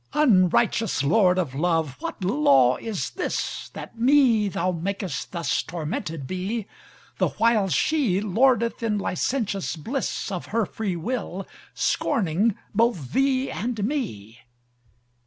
X Unrighteous lord of love, what law is this, That me thou makest thus tormented be: The whiles she lordeth in licentious bliss Of her freewill, scorning both thee and me.